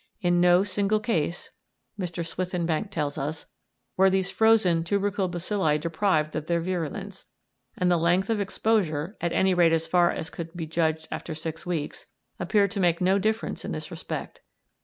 In no single case, Mr. Swithinbank tells us, were these frozen tubercle bacilli deprived of their virulence, and the length of exposure, at any rate as far as could be judged after six weeks, appeared to make no difference in this respect.